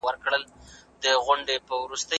که دولت مداخله ونه کړي، بازار به ګډوډ سي.